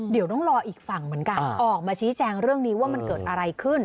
เดี๋ยวต้องรออีกฝั่งเหมือนกันออกมาชี้แจงเรื่องนี้ว่ามันเกิดอะไรขึ้น